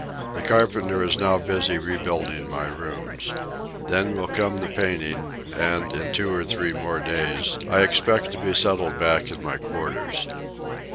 The carpenter is now busy rebuilding my rooms. Then will come the painting, and in two or three more days I expect to be settled back in my quarters.